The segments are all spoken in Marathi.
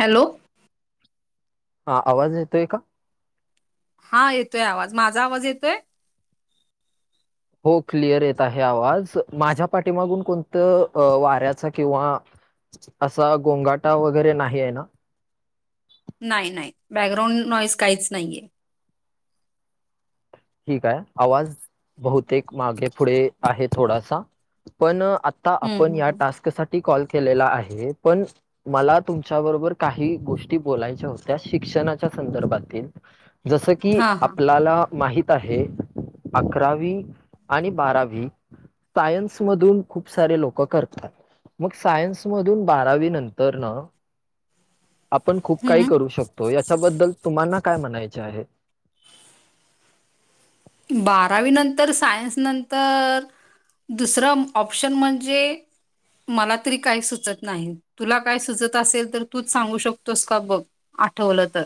हॅलो. हा आवाज येतोय का? हा येतोय आवाज माझा आवाज येतोय. हो क्लिअर येत आहे आवाज माझ्या पाठीमागून कोणतं वाऱ्याचा किंवा असा गोंगाटा वगैरे नाही आहे ना? नाही नाही बॅकग्राऊंड नॉईस काहीच नाहीये. ठीकय आवाज बहुतेक मागे पुढे आहे थोडासा पण आता हम्म आपण हम्म या हम्म. टास्क साठी कॉल केलेला आहे पण मला तुमच्या बरोबर काही गोष्टी बोलायचं होत्या शिक्षणाच्या संदर्भातील जसं की हा हा आपल्याला माहित माहित आहे अकरावी आणि बारावी सायन्स मधून खूप सारे लोक करतात. मग सायन्स मधून बारावी नंतर न आपण खूप काही करू हम्म शकतो याच्याबद्दल तुम्हाना काय म्हणायचे आहे. बारावी नंतर सायन्स नंतर दुसरं ऑप्शन म्हणजे मला तरी काही सुचत नाही तुला काय सुचत असेल तर तूच सांगू शकतोस का बघ. आठवलं तर.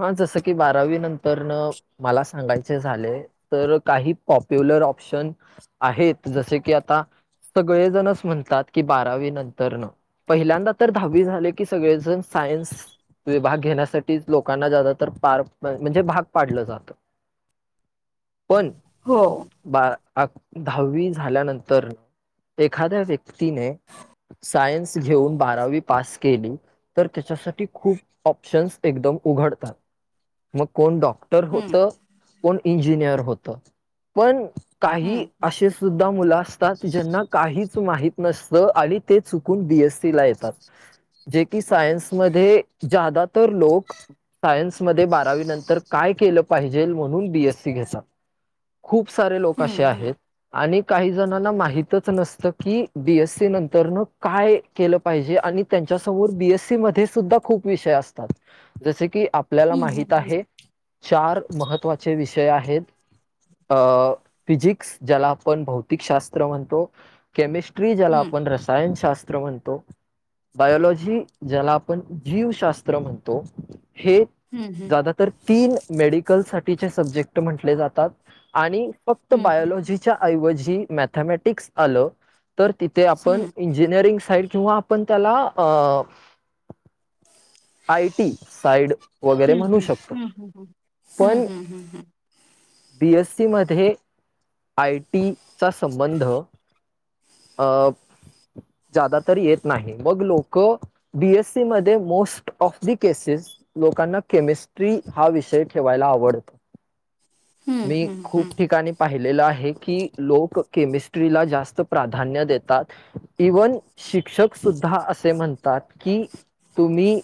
हा जसं की बारावी नंतरनं, मला सांगायचं झालंय तर काही पॉप्युलर ऑप्शन आहेत, जसे की आता सगळेजणच म्हणतात की, बारावी नंतरनं पहिल्यांदा तर दहावी झाले की सगळेच जणं सायन्स विभाग घेण्यासाठीच लोकांना ज्यादा तर पार म्हणजे भाग पाडलं जातं. पण हो. बार अ दहावी झाल्यानंतर एखाद्या व्यक्तीने सायन्स घेऊन बारावी पास केली, तर त्याच्यासाठी खूप ऑप्शन्स एकदम उघडतात. मग कोण डॉक्टर हम्म होतं कोण इंजिनियर होतं. पण काही हम्म असेच सुद्धा मुलं असतात, ज्यांना काहीच माहित नसतं आणि ते चुकून बी एस सी ला येतात. जे की सायन्स मध्ये जादा तर सायन्स मध्ये बारावीं नंतर काय केलं पाहिजेल म्हणून बीएससी घेतात. खूप सारे लोक अशे हम्म आहेत आणि काही जणांना माहितच नसतं की, बीएस सी नंतरनं काय केलं पाहिजे आणि त्यांच्यासमोर बीएससी मध्ये सुद्धा खूप विषय असतात. जसे की आपल्याला हम्म माहित आहे, चार महत्त्वाचे विषय आहेत. अ फिजिक्स ज्याला आपण भौतिकशास्त्र म्हणतो. केमिस्ट्री ज्याला हम्म आपण रसायनशास्त्र म्हण तो. बायलॉजी ज्याला आपण जीवशास्त्र म्हणतो. हे हम्म ज्यादा तर तीन मेडिकल साठीचे सब्जेक्ट म्हंटले जातात आणि फक्त हम्म हम्म बायलॉजीच्या ऐवजी मॅथमॅटिक्स आलं, तर तिथे आपण इंजिनिअरिंग साईड किंवा आपण त्याला अ आयटी साईड वगैरे हम्म म्हणू शकतो. हम्म हम्म हम्म हम्म हम्म पण हम्म बीएसु मध्ये आय टीचा संबंध अ ज्यादा तर येत नाही. मग लोक बीएससी मध्ये मोस्ट ऑफ द केसेस लोकांना केमिस्ट्री हा विषय ठेवायला आवडतो. हम्म मी हम्म हम्म खूप ठिकाणी पाहिलेलं आहे, की लोक केमिस्ट्रीला जास्त प्राधान्य देतात. इव्हन शिक्षक सुद्धा असे म्हणतात, की तुम्ही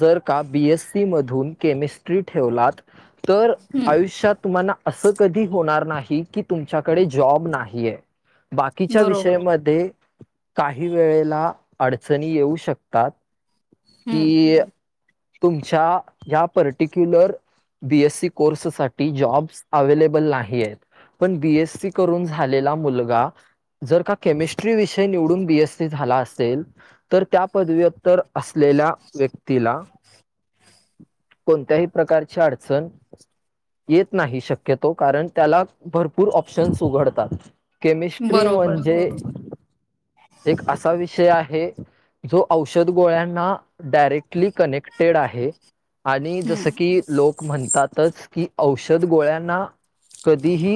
जर का बीएससी मधून केमिस्ट्री ठेवलात तर हम्म आयुष्यात तुम्हांना असं कधी होणार नाही, की तुमच्याकडे जॉब नाहीये. बाकीच्या बरोबर विषयमध्ये काही वेळेला अडचणी येऊ शकतात. हम्म की हं. तुमच्या ह्या पर्टिक्युलर बीएससी कोर्ससाठी जॉब्स अवेलेबल नाहीयेत, नाही पण बीएस सी करून झालेला मुलगा जर का केमिस्ट्री विषय निवडून बीएससी झाला असेल तर त्या पदवीत्तर असलेल्या व्यक्तीला कोणत्याही प्रकारच्या अडचण येत नाही शक्यतो. कारण त्याला भरपूर ऑप्शन्स उघडतात. केमिस्ट्री बरोबर, म्हणजे बरोबर. एक असा विषय आहे, जो औषध गोळ्यांना डायरेक्ट ली कनेक्टेड आहे आणि जसं हं, की लोक म्हणतातच, की औषध गोळ्यांना कधीही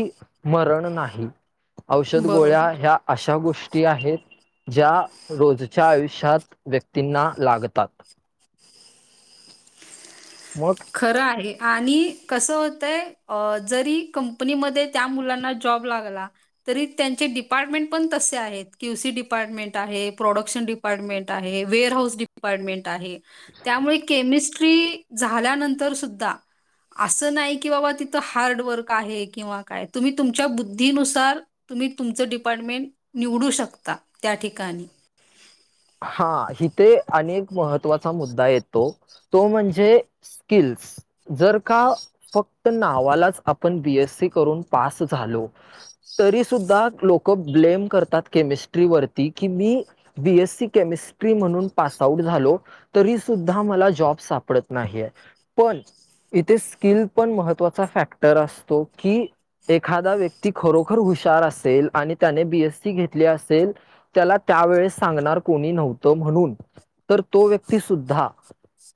मरण नाही. औषध गोळ्या बरोबर. ह्या अशा गोष्टी आहेत, ज्या रोजच्या आयुष्यात व्यक्तींना लागतात. मग? खरं आहे आणि कसं होतंय अ जरी कंपनीमध्ये त्या मुलांना जॉब लागला तरी त्यांचे डिपार्टमेंट पण तसे आहेत. क्यूसी डिपार्टमेंट आहे, प्रोडक्शन डि पार्टमेंट आहे, वेअर हऊस डिपार्टमेंट आहे, त्यामुळे केमिस्ट्री झाल्यानंतरसुद्धा असं नाही की बाबा तिथं हार्डवर्क आहे किंवा काय, तुम्ही तुमच्या बुद्धीनुसार तुम्ही तुमचं डिपार्टमेंट निवडू शकता त्या ठिकाणी. हा येथे अनेक महत्त्वाचा मुद्दा येतो, तो म्हणजे स्किल्स. जर का फक्त नावालाच आपण बीएससी करून पास झालो तरीसुद्धा लोकं ब्लेम करतात केमिस्ट्री वरती की, मी बीएससी केमिस्ट्री म्हणून पास आउट झालो, तरी सुद्धा मला जॉब सापडत नाहीये. पण इथे स्किल पण महत्त्वाचा फॅक्टर असतो की एखादा व्यक्ती खरोखर हुशार असेल आणि त्याने बीएससी घेतली असेल. त्याला त्यावेेळेस सांगणार कोणी नव्हतं, म्हणून तर तो व्यक्ती सुद्धा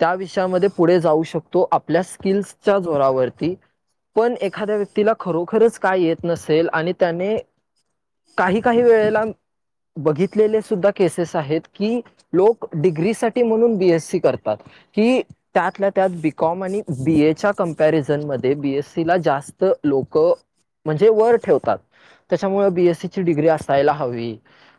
त्या विषयामध्ये पुढे जाऊ शकतो, आपल्या स्किल्सच्या जोरावरती. पण एखाद्या व्यक्तीला खरोखरच काय येत नसेल आणि त्याने काही काही वेळेला बघितलेले सुद्धा केसेस आहेत की, लोक डिग्रीसाठी म्हणून बी एससी करतात. की त्यातल्या त्यात बीकॉम आणि बीएच्या कम्पॅरिझनमध्ये बीएससीला जास्त लोकं म्हणजे वर ठेवतात. त्याच्यामुळे बीएसीची डिग्री असायला हवी,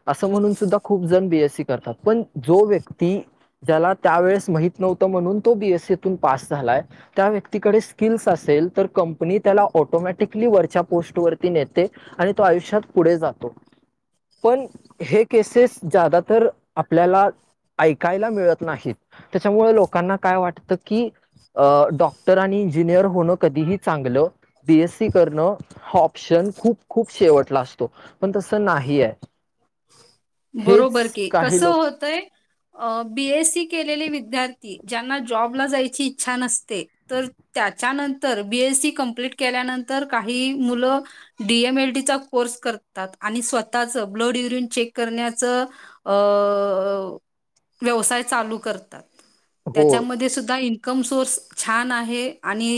असं म्हणून सुद्धा खूपजण बीएस सी करतात. पण जो व्यक्ती ज्याला त्यावेेळेस माहित नव्हतं, म्हणून तो बीएससीतून झालाय. त्या व्यक्तीकडे स्किल्स असेल, तर कंपनी त्याला ऑटोमॅटिकली वरच्या पोस्ट वरती नेते. आणि तो आयुष्यात पुढे जातो. पण हे केसेस ज्यादा तर आपल्याला ऐकायला मिळत नाहीत, त्याच्यामुळे लोकांना काय वाटतं की अ डॉक्टर आणि इंजिनियर होणं कधीही चांगलं. बीएससी करणं हा ऑप्शन खूप खूप शेवटला असतो, पण तसं नाही आहे. [inaudible] हेच बरोबर की, काही कस लोक होतंय अ, बीएससी केलेले विद्यार्थी ज्यांना जॉबला जायची इच्छा नसते. तर त्याच्यानंतर, बी एस सी ककंप्लीट केल्यानंतर, काही मुलं डीएमएलटी चा कोर्स करतात आणि स्वतःच ब्लड यरिन चेक करण्याच अ व्यवसाय चालू करतात. हो त्याच्यामध्ये सुद्धा इन्कम सोर्स छान आहे आणि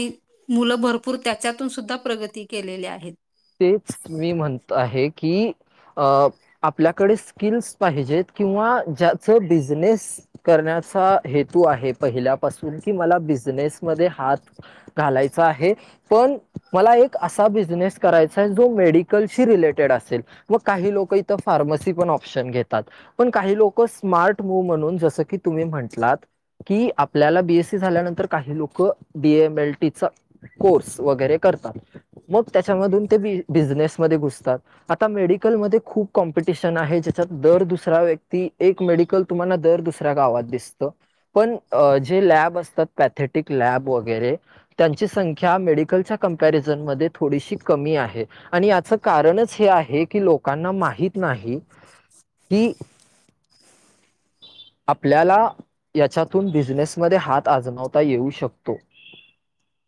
मुलं भरपूर त्याच्यातून सुद्धा प्रगती केलेली आहेत. तेच मी म्हणत आहे की अ आपल्याकडे स्किल्स पाहिजेत किंवा ज्याच बिझनेस करण्याचा हेतू आहे पहिल्यापासून कि मला बिझनेस मध्ये हात घालायच आहे, पण मला एक असा बिझनेस करायचा आहे जो मेडिकलशी रिलेटेड असेल. मग काही लोक इथं फार्मसी पण ऑप्शन घेतात. पण काही लोक स्मार्ट मूव म्हणून, जसं की तुम्ही म्हंटलात की आपल्याला बीएससी झाल्यानंतर काही लोक डीएमएलटी चा कोर्स वगैरे करतात, मग त्याच्यामधून ते ब बिझनेसमध्ये घुसतात. आता मेडिकलमध्ये खूप कॉम्पिटिशन आहे, ज्याच्यात दर दुसरा व्यक्ती एक मेडिकल तुम्हाला दर दुसऱ्या गावात दिसतं. पण जे लॅब असतात पॅथेटिक लॅब वगैरे त्यांची संख्या मेडिकलच्या कंपॅरिझनमध्ये थोडीशी कमी आहे आणि याच कारणच हे आहे की, लोकांना माहित नाही. की आपल्याला याच्यातून बिझनेसमध्ये हात आजमवता येऊ शकतो.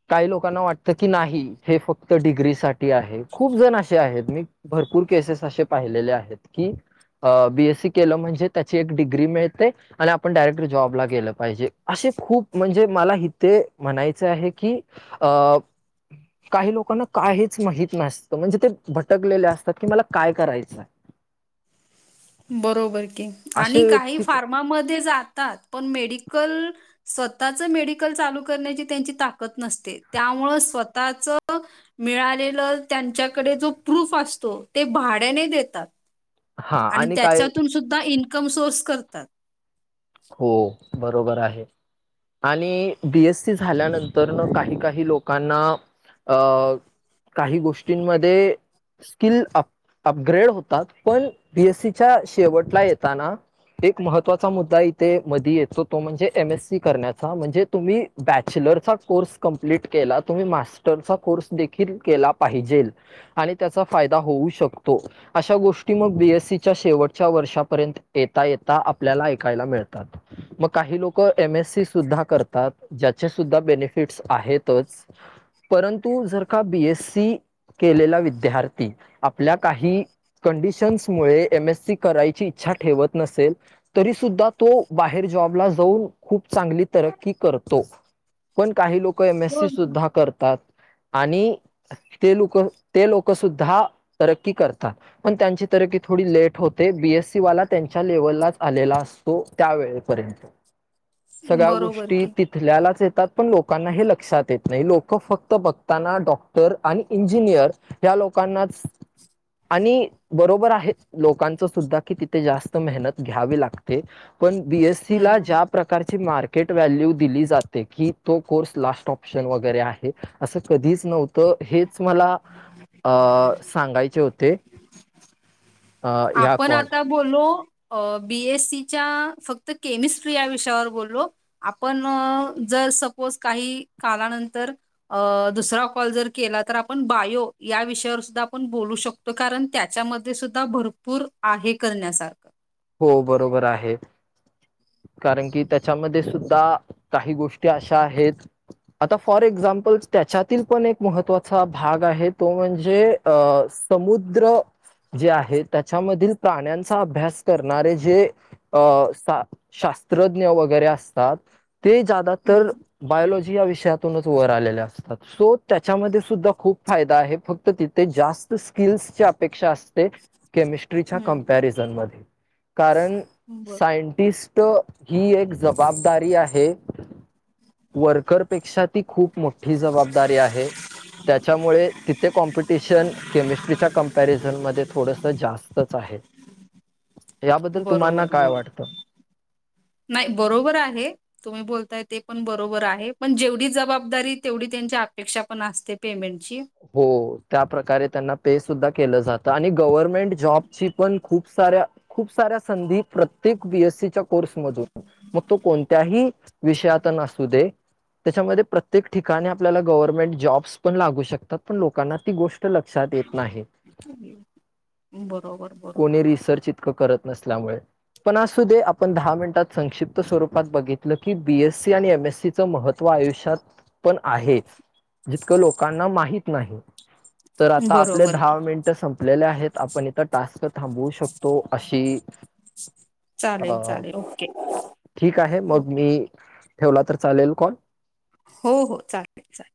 काही लोकांना वाटतं की नाही हे फक्त डिग्री ती आहे, खूप जण असे आहेत. मी भरपूर केसेस असे पाहिलेले आहेत की अ बी एस सी केलं म्हणजे त्याची एक डिग्री मिळते. आणि आपण डायरेक्ट जॉबला गेलं पाहिजे. असे खूप, म्हणजे मला इथे म्हणायचं आहे की अ काही लोकांना काहीच माहीत नसतो म्हणजे ते भटकलेले असतात, की मला काय करायचंय? बरोबर की आणि असे काही व्यक्ती पण- फार्मामध्ये जातात पण मेडिकल स्वतःच मेडिकल चालू करण्याची त्यांची ताकद नसते त्यामुळ स्वतःच मिळालेलं त्यांच्याकडे जो प्रूफ असतो ते भाड्याने देतात. हा आणि काय त्याच्यातून सुद्धा इन्कम सोर्स करतात. हो बरोबर आहे. आणि बीएस सी झाल्यानंतर न काही काही लोकांना अं काही गोष्टींमध्ये स्किल अप, अपग्रेड होतात, पण बीएससीच्या शेवटला येताना. एक महत्त्वाचा मुद्दा ते मध्ये येतो तो म्हणजे, एम एस सी करण्याचा. म्हणजे तुम्ही बॅचलरचा कोर्स कंप्लीट केला. तुम्ही मास्टरचा कोर्स देखील केला पाहिजेल. आणि त्याचा फायदा होऊ शकतो. अशा गोष्टी मग बीएससीच्या शेवटच्या वर्षापर्यंत येता येता आपल्याला ऐकायला मिळतात. मग काही लोक एम एस सी सुद्धा करतात. त्याचे सुद्धा बेनिफिटस आहेतच. परंतु जर का बीएससी केलेला विद्यार्थी आपल्या काही कंडिशन्स मुळे एमएससी करायची इच्छा ठेवत नसेल, तरी सुुद्धा तो बाहेर जॉबला जाऊन, खूप चांगली तरक्की करतो. पण काही लोक हो एमएससी सुद्धा करतात आणि ते लोकं ते लोकंसुद्धा तरक्की करतात. पण त्यांची तरकी थोडी लेट होते, बीएससी वाला त्यांच्या लेव्हललाच आलेला अस तो त्यावेेळेपर्यंत. सगळ्या बरोबर गोष्टी की तिथल्यालाच येतात पण लोकांना हे लक्षात येत नाही. लोक फक्त बघताना डॉक्टर आणि इंजिनियर या लोकांनाच आणि बरोबर आहे लोकांचंसुद्धा, की तिथे जास्त मेहनत घ्यावी लाग ते पण बी एस सी ला हम्म ज्या प्रकारे एक प्रकारची मार्केट व्हॅल्यू दिली जाते की तो कोर्स लास्ट ऑप्शन वगैरे आहे असं कधीच नव्ह तर हेच मला अ सांगायचे होते. अ, या आपण कॉल आता बोलो बी एस सीच्या फक्त केमिस्ट्री या विषयावर बोललो. आपण जर सपोज काही कालानंतर अ दुसरा कॉल जर केला तर आपण बायो या विषयावर सुद्धा आपण बोलू शक तो कारण त्याच्यामध्ये सुद्धा भरपूर आहे करण्यासारखं. हो बरोबर आहे. कारण की त्याच्यामध्ये सुद्धा काही गोष्टी अशा आहेत आता फॉर एक्झाम्पल त्याच्यातील पण एक महत्त्वाचा भाग आहे तो म्हणजे अ समुद्र जे आहे त्याच्यामधील प्राण्यांचा अभ्यास करणारे जे अ शास्त्रज्ञ वगैरे असतात. ते जादा हं, तर बायलॉजी या विषयातूनच वर आलेल्या असतात सो त्याच्यामध्ये सुद्धा खूप फायदा आहे फक्त तिथ ते जास्त स्किल्सच्या अपेक्षा असते केमिस्ट्रीच्या हं. कमपॅरिझनमध्ये कारण बर सायंटिस्ट ही एक जबाबदारी आहे. वर्करपेक्षा ती खूप मोठी जबाबदारी आहे. त्याच्यामुळे तिथे कॉम्पिटिशन केमिस्ट्रीच्या कम्पॅरिझनमध्ये थोडंसं जास्तच आहे. याबद्दल तुम्हाला बरोबर काय बरोबर वाटतं? नाही बरोबर आहे. तुम्ही बोलताय बरोबर आहे पण जेवढी जबाबदारी तेवढी त्यांची अपेक्षा पण असते पेमेंटची. हो त्या प्रकारे त्यांना पे सुद्धा केलं जातं आणि गव्हर्न मेंट जॉबची पण खूप साऱ्या खूप साऱ्या संधी प्रत्येक बी एस सी च्या कोर्समधून मग तो कोणत्याही विषयात न असू दे. त्याच्यामध्ये प्रत्येक ठिकाणी गव्हर्नमेंट जॉब्स पण लागू शकतात पण ती गोष्ट लक्षात येत नाही बरोबर बरोबर कोणी रिसर्च इतकं करत नसल्यामुळे. पण असु दे आपण दहा मिनिटात संक्षिप्त स्वरूपात बघितलं की बी एस सी आणि एम एस सीत महत्व आयुष्यात पण आहे जितकं लोकांना माहीत नाही. [inaudible] तर आपले बरोबर. दहा मिनिटं संपलेले आहेत. आपण इथं टास्क थांबवू शकतो अशी [inaudible] अ चालेल चालेल ओके. ठीक आहे मग ओके मी ठेवला तर चालेल कॉल. हो हो चालेल चालेल.